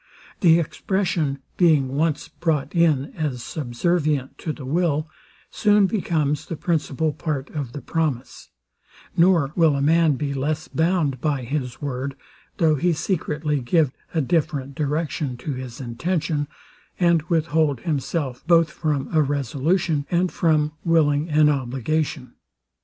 The expression being once brought in as subservient to the will, soon becomes the principal part of the promise; nor will a man be less bound by his word, though he secretly give a different direction to his intention, and with hold himself both from a resolution, and from willing an obligation.